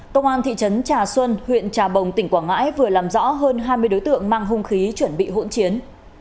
công an thị trấn trà xuân huyện trà bồng tỉnh quảng ngãi vừa làm rõ hơn hai mươi đối tượng mang hung khí chuẩn bị hỗn chiến